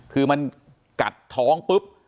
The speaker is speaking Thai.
คือมันกัดท้องปุ๊บ